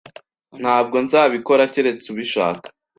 Ntabwo nzabikora keretse ubishaka